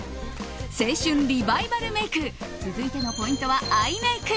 青春リバイバルメイク続いてのポイントはアイメイク。